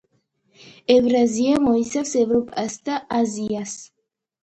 ერვაზია მოიცავს ევროპას და აზიას